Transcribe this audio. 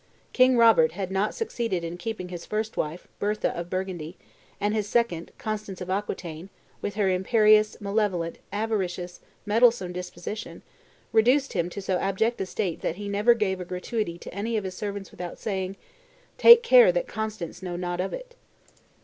King Robert had not succeeded in keeping his first wife, Bertha of Burgundy; and his second, Constance of Aquitaine, with her imperious, malevolent, avaricious, meddlesome disposition, reduced him to so abject a state that he never gave a gratuity to any of his servants without saying, "Take care that Constance know nought of it."